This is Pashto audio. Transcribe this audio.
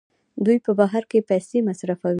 دوی په بهر کې پیسې مصرفوي.